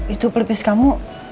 itu pelipis kamu